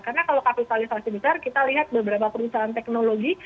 karena kalau kapitalisasi besar kita lihat beberapa perusahaan teknologi